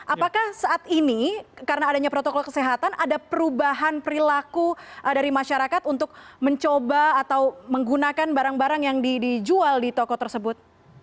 apakah saat ini karena adanya protokol kesehatan ada perubahan perilaku dari masyarakat untuk mencoba atau menggunakan barang barang yang dijual di toko tersebut